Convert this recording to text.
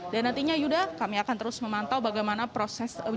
dan nantinya yudha kami akan terus memantau bagaimana proses ee